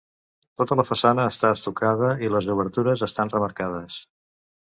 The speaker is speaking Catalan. Tota la façana està estucada i les obertures estan remarcades.